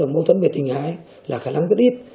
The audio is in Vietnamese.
mâu thuẫn về tình hại là khả năng rất ít